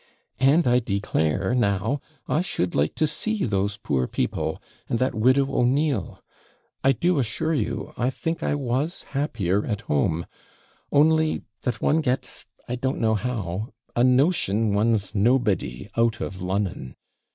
And I declare, now, I should like to see those poor people, and that widow O'Neill. I do assure you, I think I was happier at home; only, that one gets, I don't know how, a notion, one's nobody out of Lon'on.